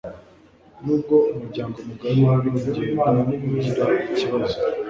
nubwo umuryango mugari uri kugenda ugira ikibazo